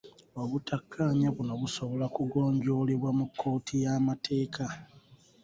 Obutakkaanya buno busobola kugonjoolebwa mu kkooti y'amateeka.